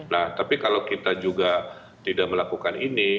nah tapi kalau kita juga tidak melakukan ini